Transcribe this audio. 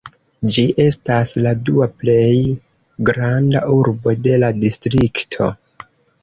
Ĝi estas la dua plej granda urbo de la distrikto.